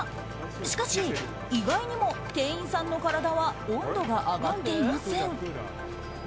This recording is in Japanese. しかし、意外にも店員さんの体は温度が上がっていません。